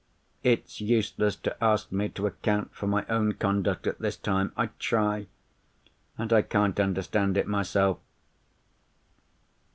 "It's useless to ask me to account for my own conduct, at this time. I try—and I can't understand it myself.